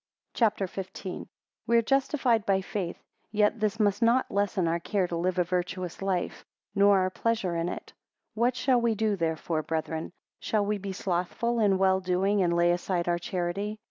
CHAPTER XV. We are justified by faith; yet this must not lessen our care to live a virtuous life, nor our pleasure in it. WHAT shall we do therefore, brethren? Shall we be slothful in well doing, and lay aside our charity?